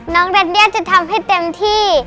น้องเรนนี่จะทำให้เต็มที่